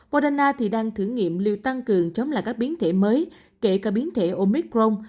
moderna thì đang thử nghiệm liều tăng cường chống lại các biến thể mới kể cả biến thể omicron